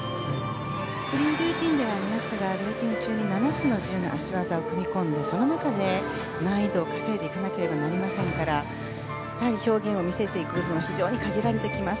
フリールーティンではありますが、ルーティン中に７つの自由な脚技を組み込んでその中で、難易度を稼いでいかないとなりませんからやはり表現を見せていくのは限られます。